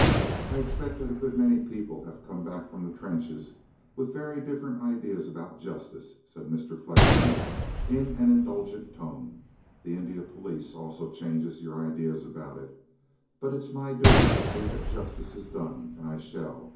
"I expect that a good many people have come back from the trenches with very different ideas about justice," said Mr. Flexen in an indulgent tone. "The Indian Police also changes your ideas about it. But it's my duty to see that justice is done, and I shall.